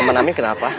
paman amin kenapa